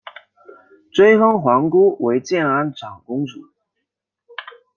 追封皇姑为建安长公主。